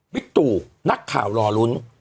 ตู่นักข่าวรอลุ้น